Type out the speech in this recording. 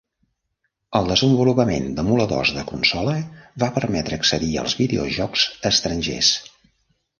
El desenvolupament d'emuladors de consola va permetre accedir als videojocs estrangers.